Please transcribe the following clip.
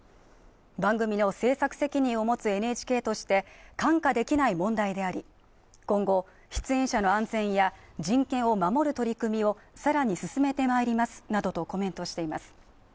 番組の制作責任を持つＮＨＫとして看過できない問題であり今後、出演者の安全や人権を守る取り組みをさらに進めてまいりますなどとコメントしています